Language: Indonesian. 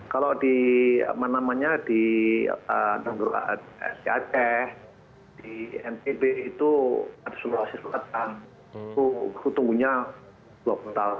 kalau di apa namanya di di di di di itu itu tunggu tunggu nya dua tiga tahun